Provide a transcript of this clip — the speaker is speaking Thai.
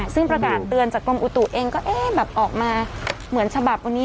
ซึ่งประกาศเตือนจากกรมอุตุเองก็เอ๊ะแบบออกมาเหมือนฉบับวันนี้